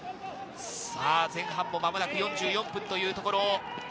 前半、間もなく４４分というところ。